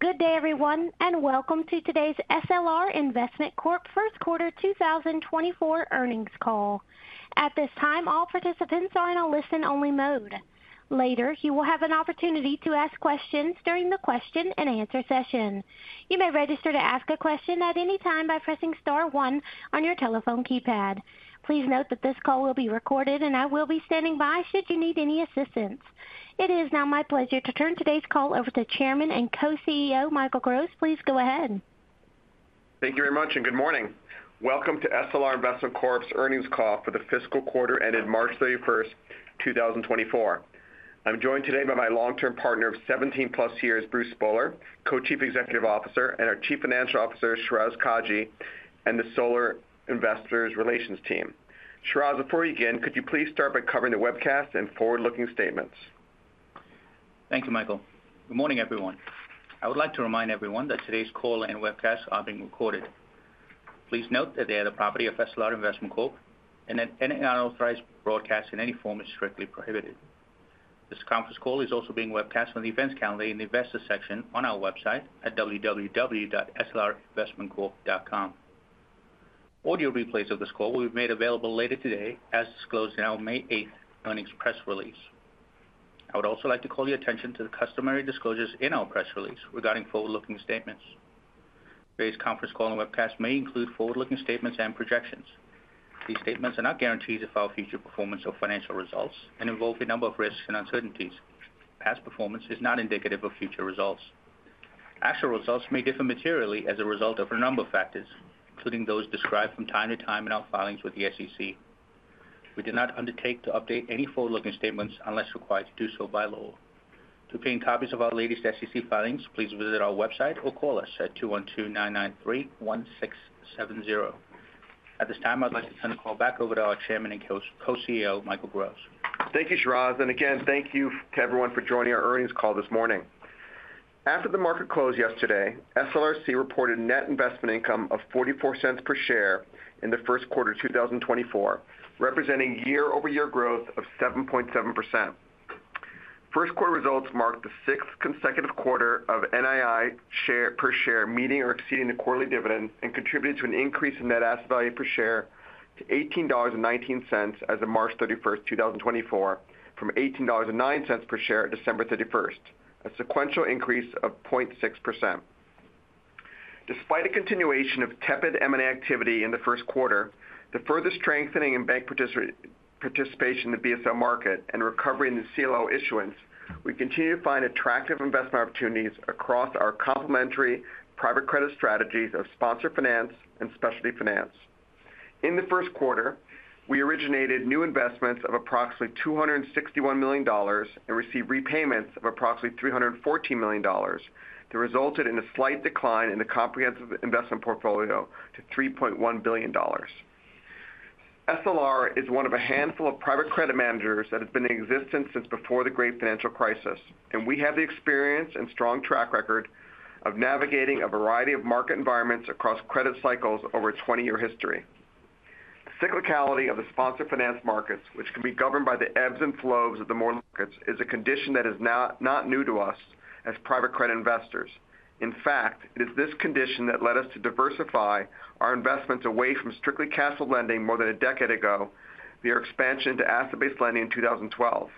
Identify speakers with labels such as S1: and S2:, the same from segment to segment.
S1: Good day, everyone, and welcome to today's SLR Investment Corp First Quarter 2024 earnings call. At this time, all participants are in a listen-only mode. Later, you will have an opportunity to ask questions during the question and answer session. You may register to ask a question at any time by pressing star one on your telephone keypad. Please note that this call will be recorded, and I will be standing by should you need any assistance. It is now my pleasure to turn today's call over to Chairman and Co-CEO, Michael Gross. Please go ahead.
S2: Thank you very much, and good morning. Welcome to SLR Investment Corp's earnings call for the fiscal quarter ended March 31st, 2024. I'm joined today by my long-term partner of 17+ years, Bruce Spohler, Co-Chief Executive Officer, and our Chief Financial Officer, Shiraz Kajee, and the SLR Investor Relations team. Shiraz, before you begin, could you please start by covering the webcast and forward-looking statements?
S3: Thank you, Michael. Good morning, everyone. I would like to remind everyone that today's call and webcast are being recorded. Please note that they are the property of SLR Investment Corp, and that any unauthorized broadcast in any form is strictly prohibited. This conference call is also being webcast on the events calendar in the investor section on our website at www.slrinvestmentcorp.com. Audio replays of this call will be made available later today, as disclosed in our May eighth earnings press release. I would also like to call your attention to the customary disclosures in our press release regarding forward-looking statements. Today's conference call and webcast may include forward-looking statements and projections. These statements are not guarantees of our future performance or financial results and involve a number of risks and uncertainties. Past performance is not indicative of future results. Actual results may differ materially as a result of a number of factors, including those described from time to time in our filings with the SEC. We do not undertake to update any forward-looking statements unless required to do so by law. To obtain copies of our latest SEC filings, please visit our website or call us at 212-993-1670. At this time, I'd like to turn the call back over to our Chairman and Co-CEO, Michael Gross.
S2: Thank you, Shiraz, and again, thank you to everyone for joining our earnings call this morning. After the market closed yesterday, SLRC reported net investment income of $0.44 per share in the first quarter, 2024, representing year-over-year growth of 7.7%. First quarter results marked the sixth consecutive quarter of NII per share, meeting or exceeding the quarterly dividend, and contributed to an increase in net asset value per share to $18.19 as of March 31, 2024, from $18.09 per share at December 31, a sequential increase of 0.6%. Despite a continuation of tepid M&A activity in the first quarter, the further strengthening in bank participation in the BSL market and recovery in the CLO issuance, we continue to find attractive investment opportunities across our complementary private credit strategies of sponsor finance and specialty finance. In the first quarter, we originated new investments of approximately $261 million and received repayments of approximately $314 million, that resulted in a slight decline in the comprehensive investment portfolio to $3.1 billion. SLR is one of a handful of private credit managers that has been in existence since before the great financial crisis, and we have the experience and strong track record of navigating a variety of market environments across credit cycles over a twenty-year history. The cyclicality of the sponsor finance markets, which can be governed by the ebbs and flows of the markets, is a condition that is not, not new to us as private credit investors. In fact, it is this condition that led us to diversify our investments away from strictly cash flow lending more than a decade ago, via expansion to asset-based lending in 2012.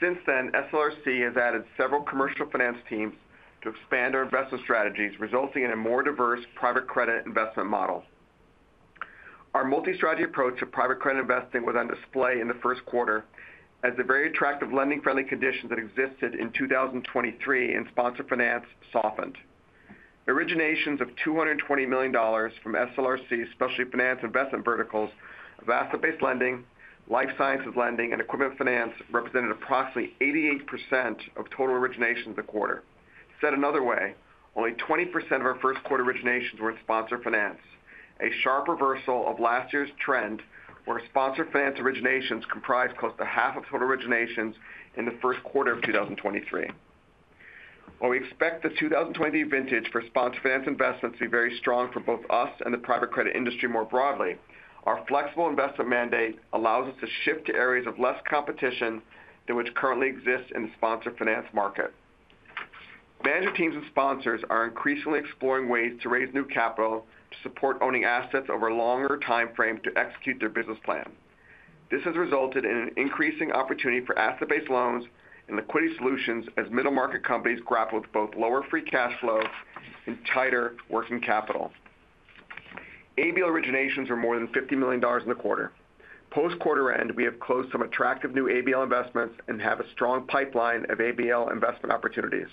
S2: Since then, SLRC has added several commercial finance teams to expand our investment strategies, resulting in a more diverse private credit investment model. Our multi-strategy approach to private credit investing was on display in the first quarter as the very attractive lending-friendly conditions that existed in 2023 in sponsor finance softened. Originations of $220 million from SLRC, especially finance investment verticals of asset-based lending, life sciences lending, and equipment finance, represented approximately 88% of total originations a quarter. Said another way, only 20% of our first quarter originations were in sponsor finance, a sharp reversal of last year's trend, where sponsor finance originations comprised close to half of total originations in the first quarter of 2023. While we expect the 2020 vintage for sponsor finance investments to be very strong for both us and the private credit industry more broadly, our flexible investment mandate allows us to shift to areas of less competition than which currently exists in the sponsor finance market. Manager teams and sponsors are increasingly exploring ways to raise new capital to support owning assets over a longer timeframe to execute their business plan. This has resulted in an increasing opportunity for asset-based loans and equity solutions as middle-market companies grapple with both lower free cash flow and tighter working capital. ABL originations are more than $50 million in the quarter. Post-quarter end, we have closed some attractive new ABL investments and have a strong pipeline of ABL investment opportunities.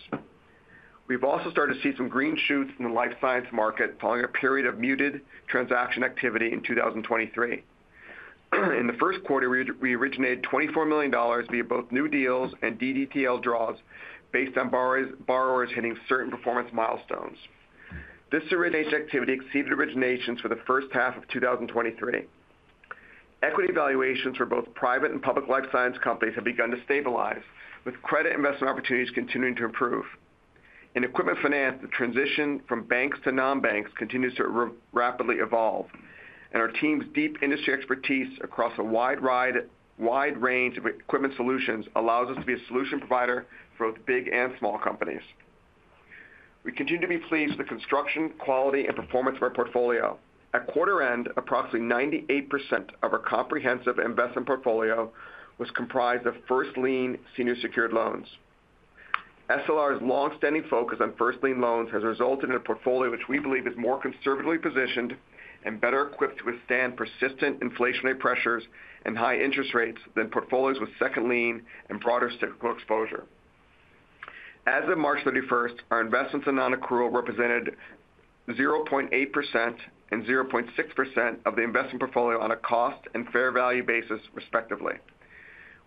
S2: We've also started to see some green shoots in the life science market following a period of muted transaction activity in 2023. In the first quarter, we originated $24 million via both new deals and DDTL draws based on borrowers hitting certain performance milestones. This origination activity exceeded originations for the first half of 2023. Equity valuations for both private and public life science companies have begun to stabilize, with credit investment opportunities continuing to improve. In equipment finance, the transition from banks to non-banks continues to rapidly evolve, and our team's deep industry expertise across a wide range of equipment solutions allows us to be a solution provider for both big and small companies. We continue to be pleased with the construction, quality, and performance of our portfolio. At quarter end, approximately 98% of our comprehensive investment portfolio was comprised of first lien senior secured loans. SLR's long-standing focus on first lien loans has resulted in a portfolio which we believe is more conservatively positioned and better equipped to withstand persistent inflationary pressures and high interest rates than portfolios with second lien and broader cyclical exposure. As of March 31st, our investments in non-accrual represented 0.8% and 0.6% of the investment portfolio on a cost and fair value basis, respectively.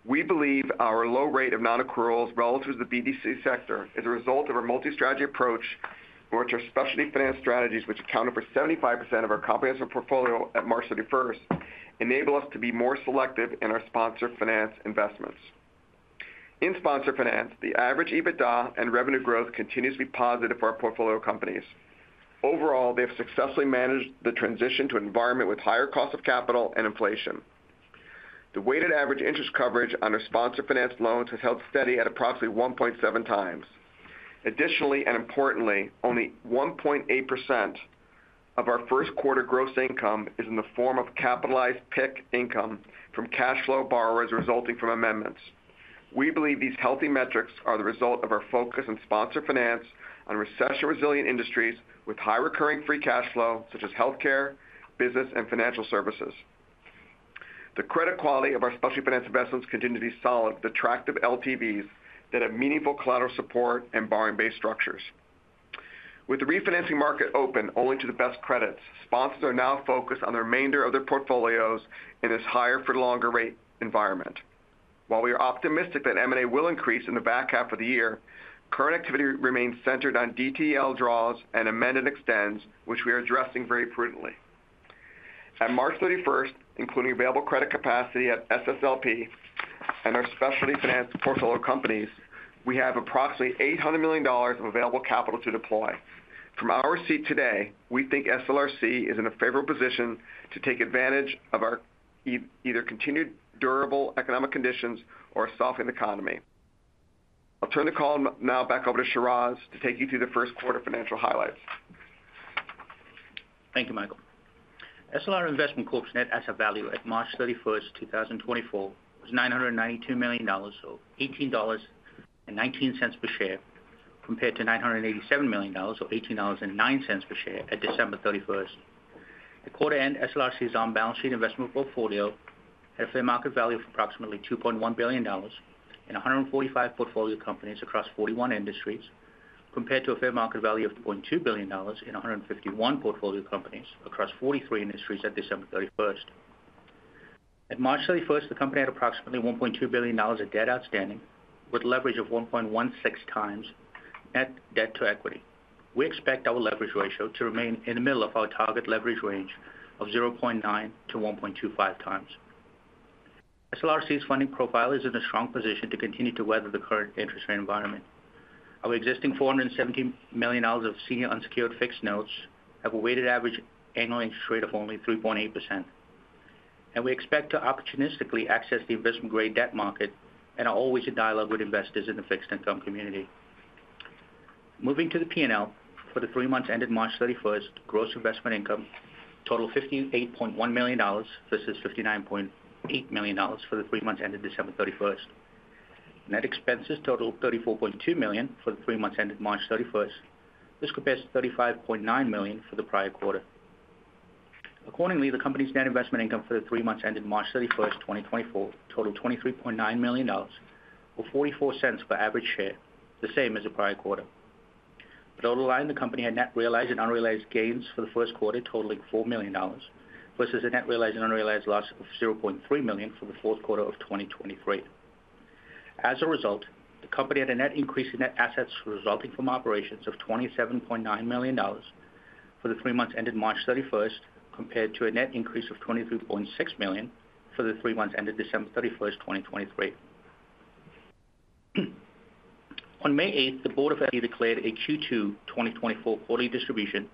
S2: We believe our low rate of non-accruals relative to the BDC sector is a result of our multi-strategy approach in which our specialty finance strategies, which accounted for 75% of our comprehensive portfolio at March 31, enable us to be more selective in our sponsor finance investments. In sponsor finance, the average EBITDA and revenue growth continues to be positive for our portfolio companies. Overall, they have successfully managed the transition to an environment with higher cost of capital and inflation. The weighted average interest coverage on our sponsor finance loans has held steady at approximately 1.7 times. Additionally, and importantly, only 1.8% of our first quarter gross income is in the form of capitalized PIK income from cash flow borrowers resulting from amendments. We believe these healthy metrics are the result of our focus on sponsor finance, on recession-resilient industries with high recurring free cash flow, such as healthcare, business, and financial services. The credit quality of our specialty finance investments continue to be solid, with attractive LTVs that have meaningful collateral support and borrowing-based structures. With the refinancing market open only to the best credits, sponsors are now focused on the remainder of their portfolios in this higher for longer rate environment. While we are optimistic that M&A will increase in the back half of the year, current activity remains centered on DDTL draws and amend-and-extends, which we are addressing very prudently. At March 31, including available credit capacity at SSLP and our specialty finance portfolio companies, we have approximately $800 million of available capital to deploy. From our seat today, we think SLRC is in a favorable position to take advantage of either continued durable economic conditions or a softened economy. I'll turn the call now back over to Shiraz to take you through the first quarter financial highlights.
S3: Thank you, Michael. SLR Investment Corp's net asset value at March 31, 2024, was $992 million, or $18.19 per share, compared to $987 million, or $18.09 per share at December 31. At quarter end, SLRC's on-balance sheet investment portfolio had a fair market value of approximately $2.1 billion in 145 portfolio companies across 41 industries, compared to a fair market value of $2.2 billion in 151 portfolio companies across 43 industries at December 31. At March 31, 2024, the company had approximately $1.2 billion of debt outstanding, with leverage of 1.16 times net debt to equity. We expect our leverage ratio to remain in the middle of our target leverage range of 0.9-1.25x. SLRC's funding profile is in a strong position to continue to weather the current interest rate environment. Our existing $417 million of senior unsecured fixed notes have a weighted average annual interest rate of only 3.8%, and we expect to opportunistically access the investment-grade debt market and are always in dialogue with investors in the fixed income community. Moving to the P&L, for the three months ended March 31st, gross investment income totalled $58.1 million versus $59.8 million for the three months ended December 31st. Net expenses totalled $34.2 million for the three months ended March 31st. This compares to $35.9 million for the prior quarter. Accordingly, the company's net investment income for the three months ended March 31, 2024, totaled $23.9 million, or $0.44 per average share, the same as the prior quarter. Bottom line, the company had net realized and unrealized gains for the first quarter, totaling $4 million, versus a net realized and unrealized loss of $0.3 million for the fourth quarter of 2023. As a result, the company had a net increase in net assets resulting from operations of $27.9 million for the three months ended March 31, compared to a net increase of $23.6 million for the three months ended December 31, 2023. On May 8, the board of SLR declared a Q2 2024 quarterly distribution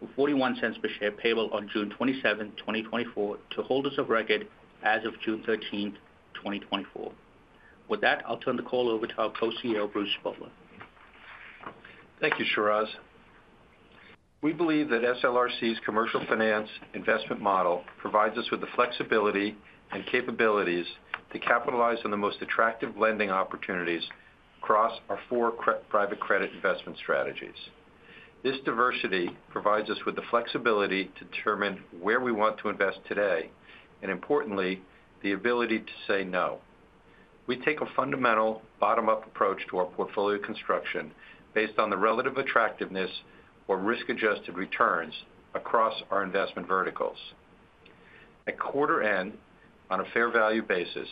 S3: of $0.41 per share, payable on June 27, 2024, to holders of record as of June 13, 2024. With that, I'll turn the call over to our co-CEO, Bruce Spohler.
S4: Thank you, Shiraz. We believe that SLRC's commercial finance investment model provides us with the flexibility and capabilities to capitalize on the most attractive lending opportunities across our four core private credit investment strategies. This diversity provides us with the flexibility to determine where we want to invest today, and importantly, the ability to say no. We take a fundamental bottom-up approach to our portfolio construction based on the relative attractiveness or risk-adjusted returns across our investment verticals. At quarter end, on a fair value basis,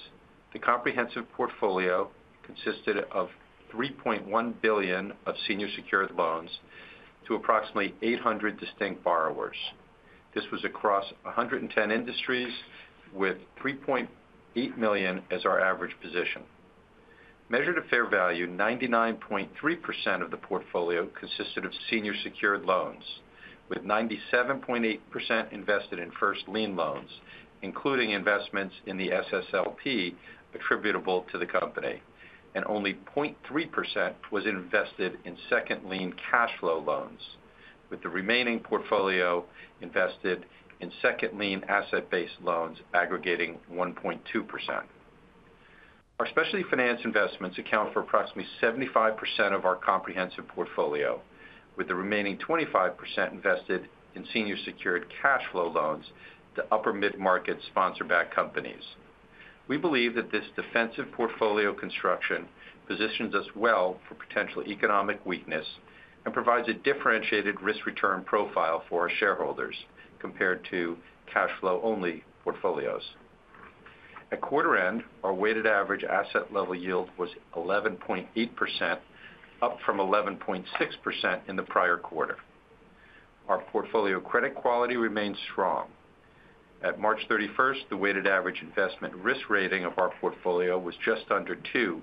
S4: the comprehensive portfolio consisted of $3.1 billion of senior secured loans to approximately 800 distinct borrowers. This was across 110 industries with $3.8 million as our average position. Measured at fair value, 99.3% of the portfolio consisted of senior secured loans.... with 97.8% invested in first lien loans, including investments in the SSLP attributable to the company, and only 0.3% was invested in second lien cash flow loans, with the remaining portfolio invested in second lien asset-based loans aggregating 1.2%. Our specialty finance investments account for approximately 75% of our comprehensive portfolio, with the remaining 25% invested in senior secured cash flow loans to upper mid-market sponsor-backed companies. We believe that this defensive portfolio construction positions us well for potential economic weakness and provides a differentiated risk-return profile for our shareholders compared to cash flow-only portfolios. At quarter end, our weighted average asset level yield was 11.8%, up from 11.6% in the prior quarter. Our portfolio credit quality remains strong. At March 31st, the weighted average investment risk rating of our portfolio was just under 2,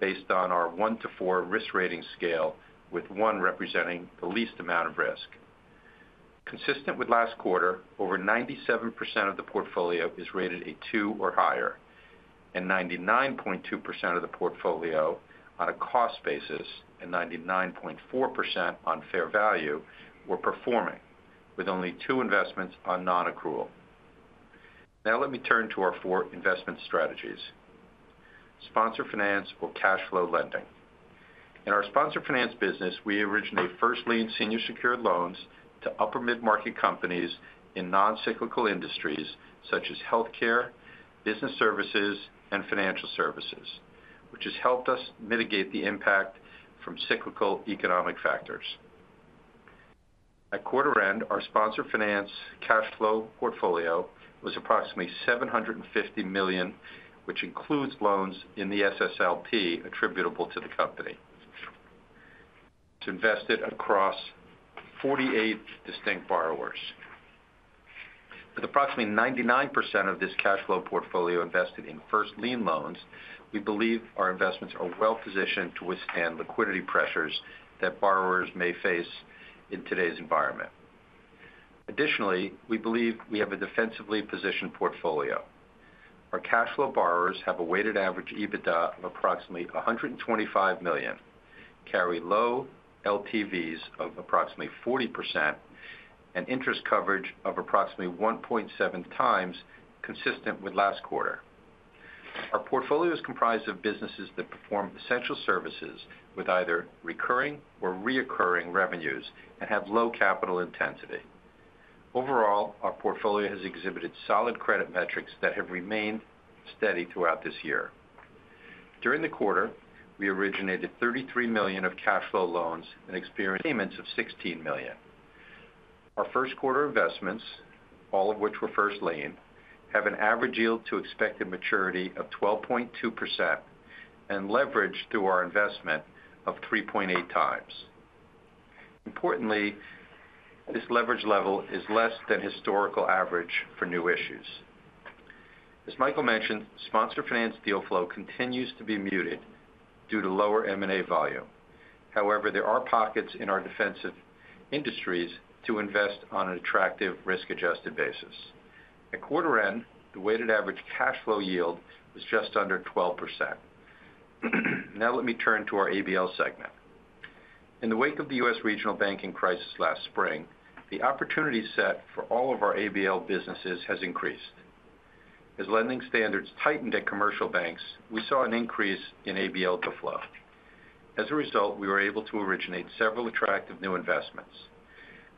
S4: based on our 1 to 4 risk rating scale, with 1 representing the least amount of risk. Consistent with last quarter, over 97% of the portfolio is rated a 2 or higher, and 99.2% of the portfolio on a cost basis and 99.4% on fair value were performing, with only 2 investments on non-accrual. Now let me turn to our 4 investment strategies. Sponsor finance or cash flow lending. In our sponsor finance business, we originate first lien senior secured loans to upper mid-market companies in non-cyclical industries such as healthcare, business services, and financial services, which has helped us mitigate the impact from cyclical economic factors. At quarter end, our sponsor finance cash flow portfolio was approximately $750 million, which includes loans in the SSLP attributable to the company. It's invested across 48 distinct borrowers. With approximately 99% of this cash flow portfolio invested in first lien loans, we believe our investments are well positioned to withstand liquidity pressures that borrowers may face in today's environment. Additionally, we believe we have a defensively positioned portfolio. Our cash flow borrowers have a weighted average EBITDA of approximately $125 million, carry low LTVs of approximately 40% and interest coverage of approximately 1.7 times, consistent with last quarter. Our portfolio is comprised of businesses that perform essential services with either recurring or reoccurring revenues and have low capital intensity. Overall, our portfolio has exhibited solid credit metrics that have remained steady throughout this year. During the quarter, we originated $33 million of cash flow loans and experienced payments of $16 million. Our first quarter investments, all of which were first lien, have an average yield to expected maturity of 12.2% and leverage through our investment of 3.8x. Importantly, this leverage level is less than historical average for new issues. As Michael mentioned, sponsor finance deal flow continues to be muted due to lower M&A volume. However, there are pockets in our defensive industries to invest on an attractive risk-adjusted basis. At quarter end, the weighted average cash flow yield was just under 12%. Now let me turn to our ABL segment. In the wake of the U.S. regional banking crisis last spring, the opportunity set for all of our ABL businesses has increased. As lending standards tightened at commercial banks, we saw an increase in ABL inflow. As a result, we were able to originate several attractive new investments.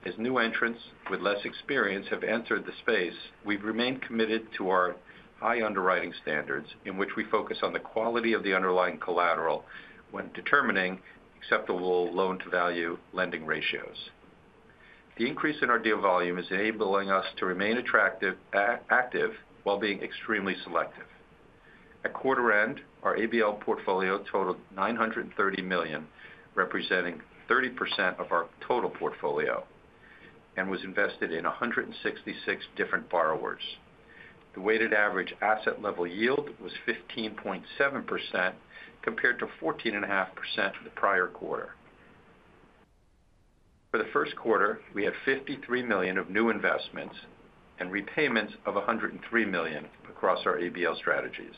S4: As new entrants with less experience have entered the space, we've remained committed to our high underwriting standards, in which we focus on the quality of the underlying collateral when determining acceptable loan-to-value lending ratios. The increase in our deal volume is enabling us to remain active while being extremely selective. At quarter end, our ABL portfolio total led $930 million, representing 30% of our total portfolio and was invested in 166 different borrowers. The weighted average asset level yield was 15.7%, compared to 14.5% for the prior quarter. For the first quarter, we had $53 million of new investments and repayments of $103 million across our ABL strategies.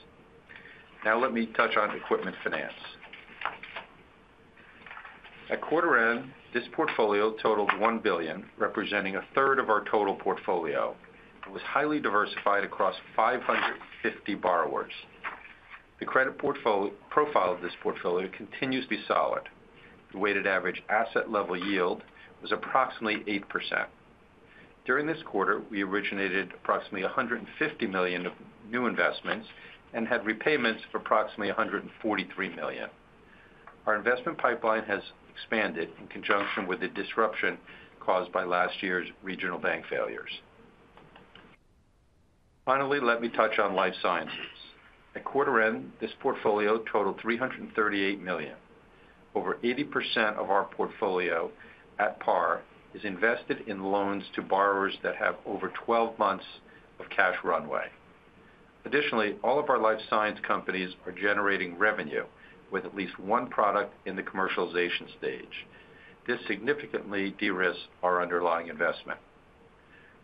S4: Now let me touch on equipment finance. At quarter end, this portfolio totaled $1 billion, representing a third of our total portfolio, and was highly diversified across 550 borrowers. The credit profile of this portfolio continues to be solid. The weighted average asset level yield was approximately 8%. During this quarter, we originated approximately $150 million of new investments and had repayments of approximately $143 million. Our investment pipeline has expanded in conjunction with the disruption caused by last year's regional bank failures. Finally, let me touch on life sciences. At quarter end, this portfolio totalled $338 million. Over 80% of our portfolio at par is invested in loans to borrowers that have over 12 months of cash runway. Additionally, all of our life science companies are generating revenue with at least one product in the commercialization stage. This significantly de-risks our underlying investment.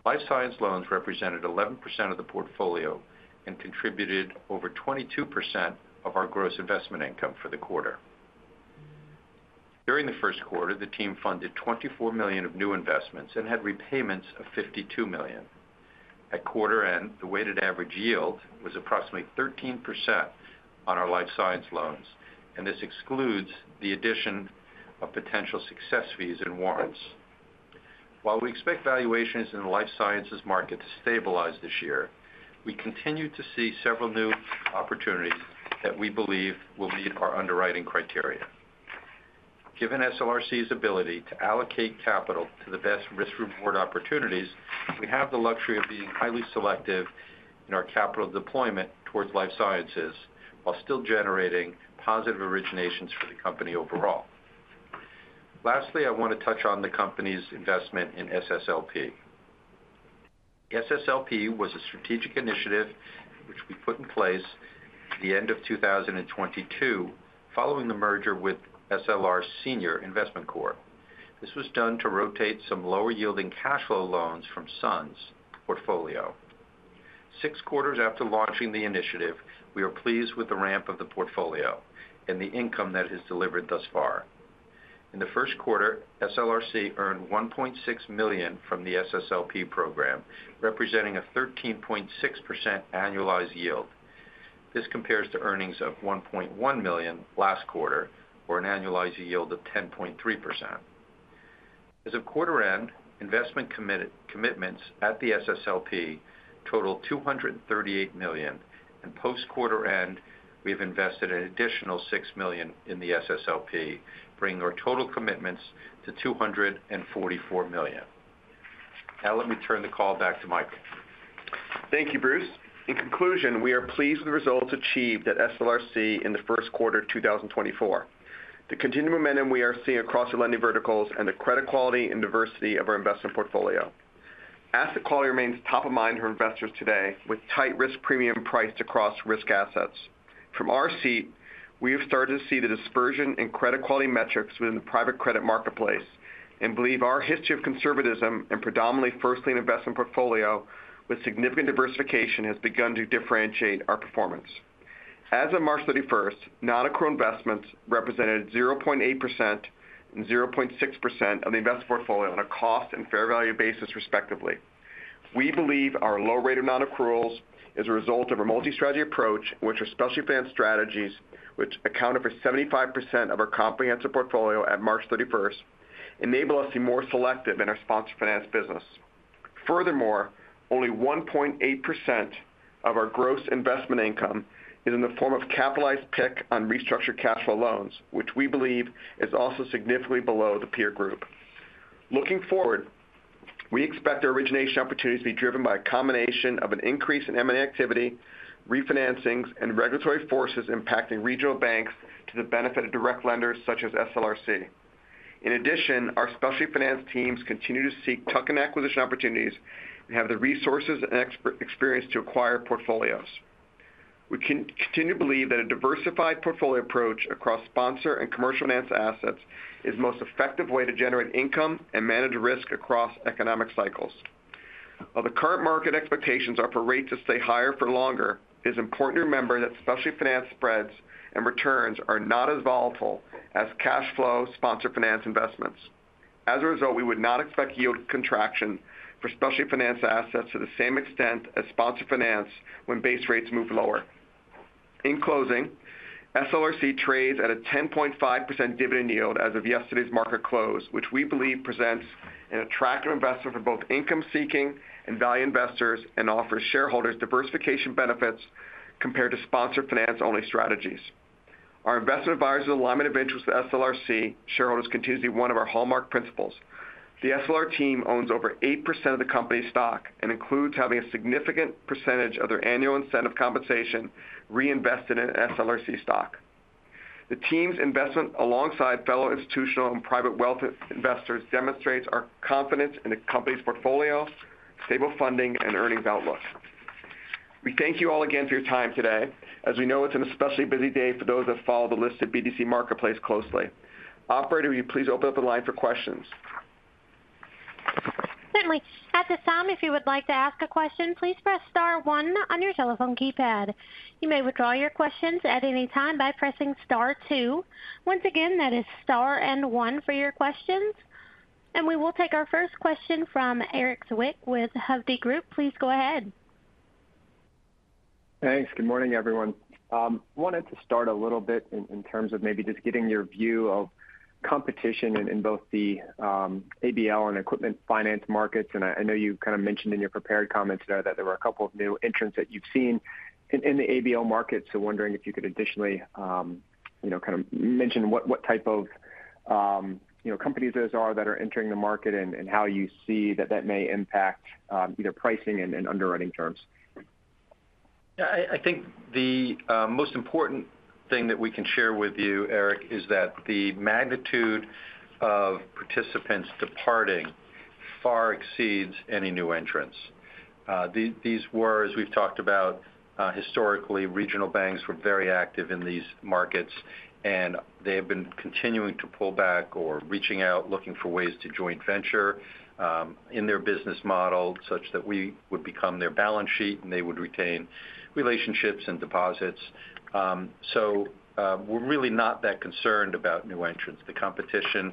S4: Life science loans represented 11% of the portfolio and contributed over 22% of our gross investment income for the quarter. During the first quarter, the team funded $24 million of new investments and had repayments of $52 million. At quarter end, the weighted average yield was approximately 13% on our life science loans, and this excludes the addition of potential success fees and warrants. While we expect valuations in the life sciences market to stabilize this year, we continue to see several new opportunities that we believe will meet our underwriting criteria. Given SLRC's ability to allocate capital to the best risk-reward opportunities, we have the luxury of being highly selective in our capital deployment towards life sciences while still generating positive originations for the company overall. Lastly, I want to touch on the company's investment in SSLP. SSLP was a strategic initiative which we put in place at the end of 2022, following the merger with SLR Senior Investment Corp. This was done to rotate some lower-yielding cash flow loans from SUNS portfolio. Six quarters after launching the initiative, we are pleased with the ramp of the portfolio and the income that it has delivered thus far. In the first quarter, SLRC earned $1.6 million from the SSLP program, representing a 13.6% annualized yield. This compares to earnings of $1.1 million last quarter, or an annualized yield of 10.3%. As of quarter end, investment commitments at the SSLP totaled $238 million, and post-quarter end, we've invested an additional $6 million in the SSLP, bringing our total commitments to $244 million. Now, let me turn the call back to Mike.
S2: Thank you, Bruce. In conclusion, we are pleased with the results achieved at SLRC in the first quarter of 2024. The continued momentum we are seeing across the lending verticals and the credit quality and diversity of our investment portfolio. Asset quality remains top of mind for investors today, with tight risk premium priced across risk assets. From our seat, we have started to see the dispersion in credit quality metrics within the private credit marketplace and believe our history of conservatism and predominantly first lien investment portfolio with significant diversification has begun to differentiate our performance. As of March 31, non-accrual investments represented 0.8% and 0.6% of the investment portfolio on a cost and fair value basis, respectively. We believe our low rate of non-accruals is a result of our multi-strategy approach, which are specialty finance strategies, which accounted for 75% of our comprehensive portfolio at March 31st, enable us to be more selective in our sponsor finance business. Furthermore, only 1.8% of our gross investment income is in the form of capitalized PIK on restructured cash flow loans, which we believe is also significantly below the peer group. Looking forward, we expect our origination opportunities to be driven by a combination of an increase in M&A activity, refinancings, and regulatory forces impacting regional banks to the benefit of direct lenders such as SLRC. In addition, our specialty finance teams continue to seek tuck-in acquisition opportunities and have the resources and extensive experience to acquire portfolios. We continue to believe that a diversified portfolio approach across sponsor and commercial finance assets is the most effective way to generate income and manage risk across economic cycles. While the current market expectations are for rates to stay higher for longer, it is important to remember that specialty finance spreads and returns are not as volatile as cash flow sponsor finance investments. As a result, we would not expect yield contraction for specialty finance assets to the same extent as sponsor finance when base rates move lower. In closing, SLRC trades at a 10.5% dividend yield as of yesterday's market close, which we believe presents an attractive investment for both income-seeking and value investors and offers shareholders diversification benefits compared to sponsor finance-only strategies. Our investment advisors' alignment of interest with SLRC shareholders continues to be one of our hallmark principles. The SLR team owns over 8% of the company's stock and includes having a significant percentage of their annual incentive compensation reinvested in SLRC stock. The team's investment, alongside fellow institutional and private wealth investors, demonstrates our confidence in the company's portfolio, stable funding, and earnings outlook. We thank you all again for your time today, as we know it's an especially busy day for those that follow the listed BDC marketplace closely. Operator, will you please open up the line for questions?
S1: Certainly. At this time, if you would like to ask a question, please press star one on your telephone keypad. You may withdraw your questions at any time by pressing star two. Once again, that is star and one for your questions, and we will take our first question from Erik Zwick with Hovde Group. Please go ahead.
S5: Thanks. Good morning, everyone. Wanted to start a little bit in, in terms of maybe just getting your view of competition in, in both the ABL and equipment finance markets. I know you kind of mentioned in your prepared comments there that there were a couple of new entrants that you've seen in, in the ABL market. Wondering if you could additionally, you know, kind of mention what, what type of, you know, companies those are that are entering the market and, and how you see that that may impact, either pricing and, and underwriting terms.
S4: Yeah, I think the most important thing that we can share with you, Erik, is that the magnitude of participants departing...far exceeds any new entrants. These were, as we've talked about, historically, regional banks were very active in these markets, and they have been continuing to pull back or reaching out, looking for ways to joint venture in their business model, such that we would become their balance sheet, and they would retain relationships and deposits. So, we're really not that concerned about new entrants. The competition,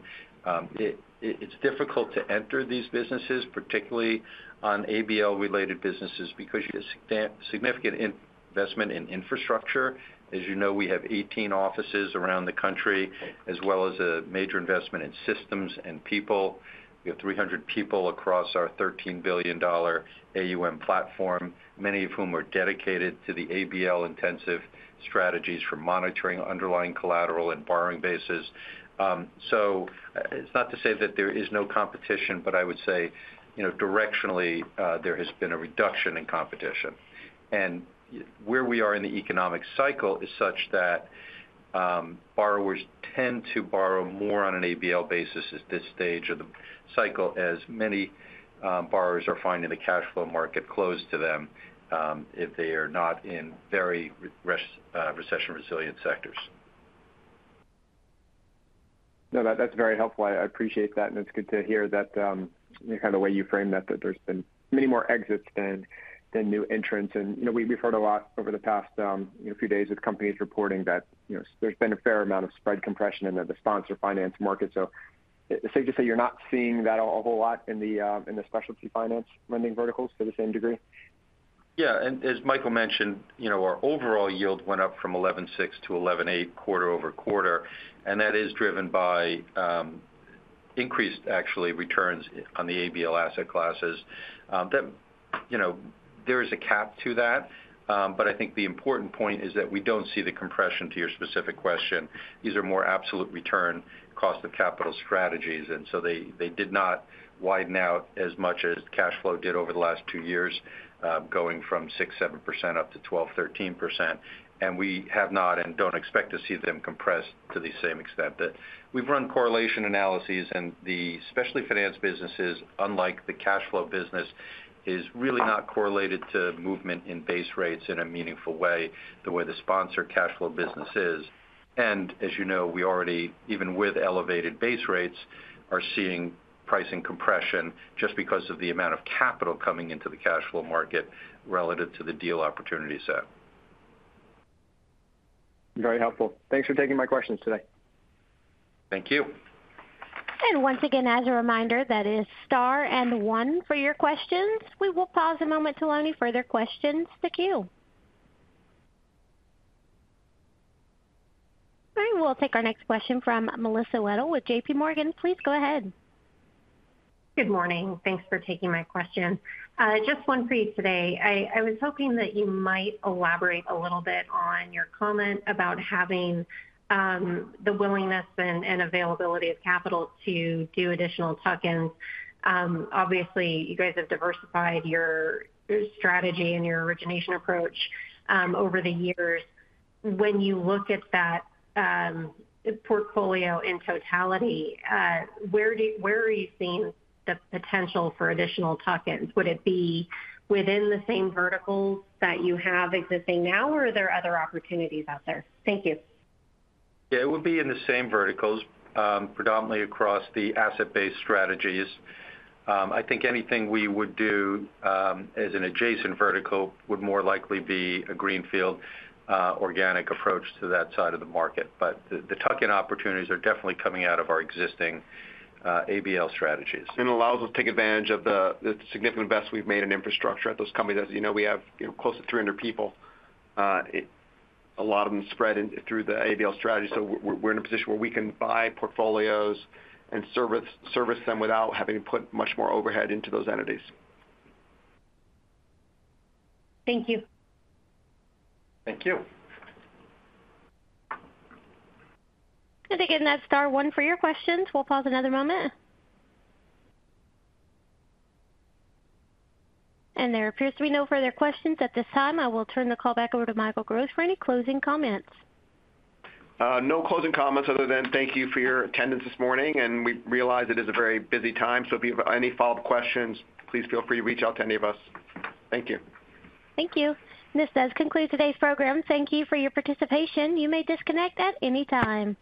S4: it's difficult to enter these businesses, particularly on ABL-related businesses, because you have significant investment in infrastructure. As you know, we have 18 offices around the country, as well as a major investment in systems and people. We have 300 people across our $13 billion AUM platform, many of whom are dedicated to the ABL-intensive strategies for monitoring underlying collateral and borrowing bases. So it's not to say that there is no competition, but I would say, you know, directionally, there has been a reduction in competition. Where we are in the economic cycle is such that, borrowers tend to borrow more on an ABL basis at this stage of the cycle, as many, borrowers are finding the cash flow market closed to them, if they are not in very recession-resilient sectors.
S5: No, that, that's very helpful. I appreciate that, and it's good to hear that, kind of the way you framed that, that there's been many more exits than new entrants. And, you know, we've heard a lot over the past, you know, few days with companies reporting that, you know, there's been a fair amount of spread compression in the sponsor finance market. So it's safe to say you're not seeing that a whole lot in the specialty finance lending verticals to the same degree?
S4: Yeah, and as Michael mentioned, you know, our overall yield went up from 11.6 to 11.8 quarter-over-quarter, and that is driven by increased actually returns on the ABL asset classes. That, you know, there is a cap to that, but I think the important point is that we don't see the compression to your specific question. These are more absolute return cost of capital strategies, and so they did not widen out as much as cash flow did over the last 2 years, going from 6%-7% up to 12%-13%. And we have not and don't expect to see them compressed to the same extent. That we've run correlation analyses, and the specialty finance businesses, unlike the cash flow business, is really not correlated to movement in base rates in a meaningful way, the way the sponsor cash flow business is. And as you know, we already, even with elevated base rates, are seeing pricing compression just because of the amount of capital coming into the cash flow market relative to the deal opportunity set.
S5: Very helpful. Thanks for taking my questions today.
S4: Thank you.
S1: Once again, as a reminder, that is star and one for your questions. We will pause a moment to allow any further questions to queue. All right, we'll take our next question from Melissa Wedel with J.P. Morgan. Please go ahead.
S6: Good morning. Thanks for taking my question. Just one for you today. I was hoping that you might elaborate a little bit on your comment about having the willingness and availability of capital to do additional tuck-ins. Obviously, you guys have diversified your strategy and your origination approach over the years. When you look at that portfolio in totality, where are you seeing the potential for additional tuck-ins? Would it be within the same verticals that you have existing now, or are there other opportunities out there? Thank you.
S4: Yeah, it would be in the same verticals, predominantly across the asset-based strategies. I think anything we would do, as an adjacent vertical would more likely be a greenfield, organic approach to that side of the market. But the tuck-in opportunities are definitely coming out of our existing ABL strategies. Allows us to take advantage of the significant investments we've made in infrastructure at those companies. As you know, we have, you know, close to 300 people, a lot of them spread through the ABL strategy. So we're in a position where we can buy portfolios and service them without having to put much more overhead into those entities.
S6: Thank you.
S4: Thank you.
S1: Again, that's star one for your questions. We'll pause another moment. There appears to be no further questions at this time. I will turn the call back over to Michael Gross for any closing comments.
S2: No closing comments other than thank you for your attendance this morning, and we realize it is a very busy time, so if you have any follow-up questions, please feel free to reach out to any of us. Thank you.
S1: Thank you. This does conclude today's program. Thank you for your participation. You may disconnect at any time.